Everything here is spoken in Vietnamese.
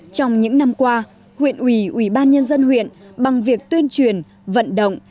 trong những năm qua huyện ủy ủy ban nhân dân huyện bằng việc tuyên truyền vận động